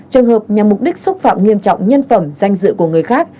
trường hợp nhằm mục đích xúc phạm nghiêm trọng nhân phẩm danh dự của người khác